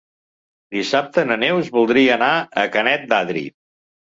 Dissabte na Neus voldria anar a Canet d'Adri.